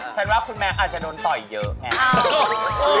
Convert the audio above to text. ฉันว่าคุณแม่อาจจะโดนต่อยเยอะไง